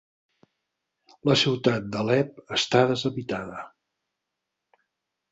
La ciutat d'Alep està deshabitada